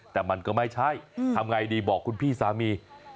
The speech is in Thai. แต่มันก็ไม่ใช่ทำไงดีบอกคุณพี่สามี